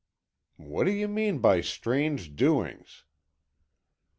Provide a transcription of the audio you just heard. "What do you mean by strange doings?"